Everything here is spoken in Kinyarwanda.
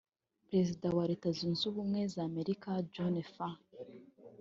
Perezida wa Leta Zunze Ubumwe za Amerika John F